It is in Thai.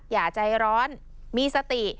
อย่าใจร้อนมีสติ